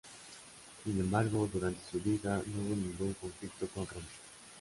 Sin embargo, durante su vida, no hubo ningún conflicto con Roma.